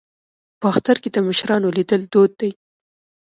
په اختر کې د مشرانو لیدل دود دی.